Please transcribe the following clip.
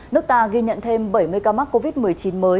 nước ta ghi nhận thêm bảy mươi ca mắc covid một mươi chín mới